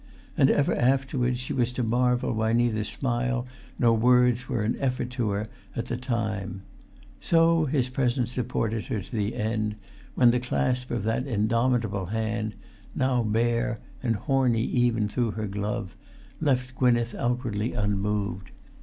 [Pg 374] And ever afterwards she was to marvel why neither smile nor words were an effort to her at the time: so his presence supported her to the end, when the clasp of that indomitable hand, now bare, and horny even through her glove, left Gwynneth outwardly unmoved.